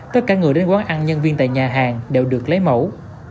tất cả người đến quán ăn nhân viên tại nhà hàng đều được lấy mẫu